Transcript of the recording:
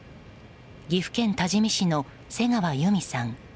岐阜県多治見市の瀬川由美さん